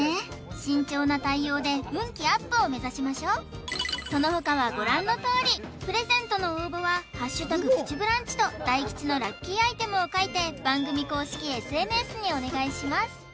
慎重な対応で運気アップを目指しましょうその他はご覧のとおりプレゼントの応募は「＃プチブランチ」と大吉のラッキーアイテムを書いて番組公式ＳＮＳにお願いします